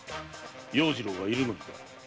要次郎がいるのにか？